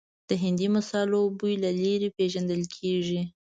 د هندي مسالو بوی له لرې پېژندل کېږي.